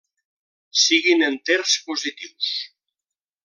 Siguin enters positius.